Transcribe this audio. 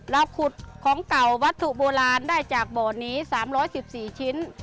เราขุดของเก่าวัตถุโบราณได้จากบ่อนี้๓๑๔ชิ้น